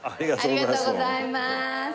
ありがとうございます。